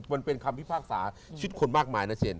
มันเป็นคำพิพากษาชิดคนมากมายนะเชน